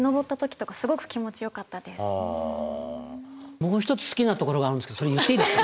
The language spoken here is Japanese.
もう一つ好きなところがあるんですけどそれ言っていいですか。